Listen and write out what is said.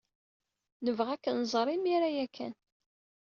Nebɣa ad k-nẓer imir-a ya kan.